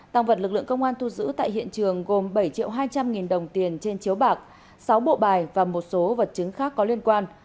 tăng vật lực lượng công an thu giữ tại hiện trường gồm bảy triệu hai trăm linh nghìn đồng tiền trên chiếu bạc sáu bộ bài và một số vật chứng khác có liên quan